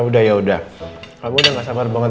yaudah yaudah kamu udah ga sabar banget